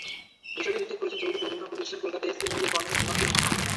বিষয়টি নিশ্চিত করেছেন ছবিটির প্রযোজনা প্রতিষ্ঠান কলকাতার এসকে মুভিজের কর্নধার হিমাংশু ধানুকা।